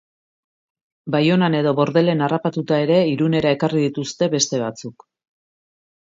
Baionan edo Bordelen harrapatuta ere Irunera ekarri dituzte beste batzuk...